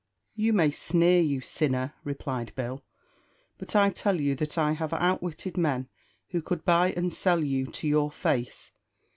"You may sneer, you sinner," replied Bill; "but I tell you that I have outwitted men who could buy and sell you to your face.